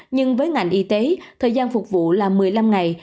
nhưng với ngành y tế thời gian phục vụ là một mươi năm ngày